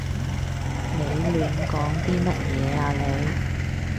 你亂講啲乜嘢啊你？